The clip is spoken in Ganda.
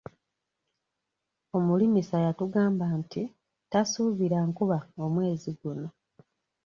Omulimisa yatugamba nti tasuubira nkuba omwezi guno.